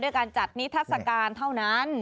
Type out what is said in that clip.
ด้วยการจัดนิทัศน์การเท่านั้น